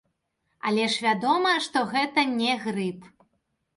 Але ж вядома, што гэта не грып.